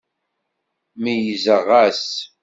Meyyzeɣ-as.